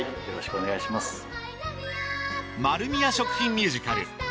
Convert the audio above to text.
よろしくお願いします。